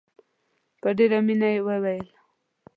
په ډېره مینه یې وویل.